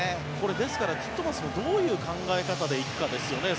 ですからティットマスもどういう考え方で行くかですよね。